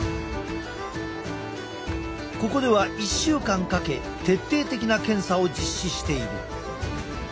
ここでは１週間かけ徹底的な検査を実施している。